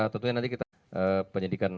tentunya nanti kita penyelidikan